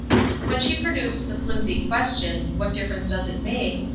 When she produced the flimsy question, "What difference does it make?"